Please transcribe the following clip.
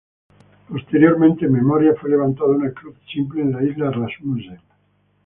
Posteriormente, en memoria, fue levantada una cruz simple en la isla Rasmussen.